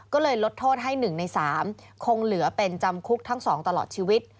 ก็เลยลดโทษให้๑ใน๓คงเหลือเป็นจำคุกทั้ง๒ตลอดชีวิต